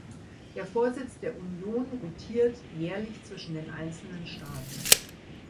Der Vorsitz der Union rotiert jährlich zwischen den einzelnen Staaten.